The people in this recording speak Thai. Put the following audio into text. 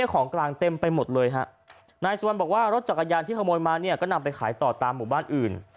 ของกลางเต็มไปหมดเลยนายสุวรรณบอกว่ารถจักรยานที่ก็นำไปขายต่อทางหมู่บ้านอื่น